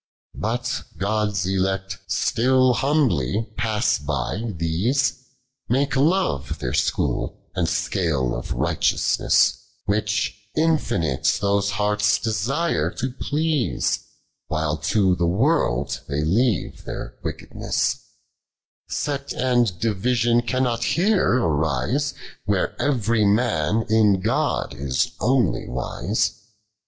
But Ood's ulect etiU humbly pass by these, Mulce love their School, and 6cale of ngfati Which infinite those hearts desire to plcnsc, "While to the world they leave their trickednuas 8ect and division cannot here ariAc, Where every mun in Ood is only wiae.